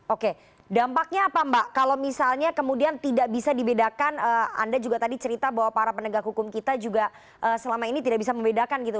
oke dampaknya apa mbak kalau misalnya kemudian tidak bisa dibedakan anda juga tadi cerita bahwa para penegak hukum kita juga selama ini tidak bisa membedakan gitu